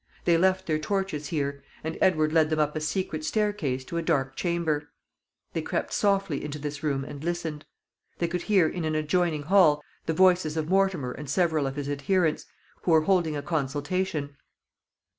They left their torches here, and Edward led them up a secret staircase to a dark chamber. They crept softly into this room and listened. They could hear in an adjoining hall the voices of Mortimer and several of his adherents, who were holding a consultation.